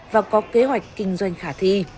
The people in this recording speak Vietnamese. và có kế hoạch kinh doanh khả thi